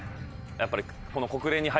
やっぱり。